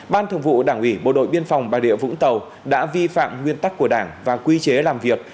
ban thường vụ đảng ủy bộ đội biên phòng bà rịa vũng tàu đã vi phạm nguyên tắc của đảng và quy chế làm việc